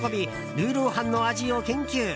ルーロー飯の味を研究。